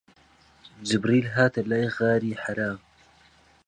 جیبریل هاتە لای لە غاری حەرا